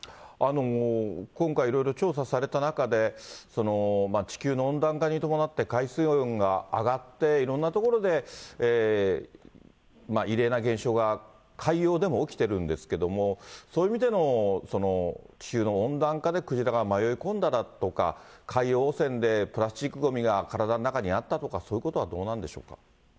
今回、いろいろ調査された中で、地球の温暖化に伴って海水温が上がって、いろんな所で異例な現象が、海洋でも起きてるんですけども、そういう意味での地球の温暖化でクジラが迷い込んだだとか、海洋汚染でプラスチックごみが体の中にあったとか、そういうことはどうなんでしょうか。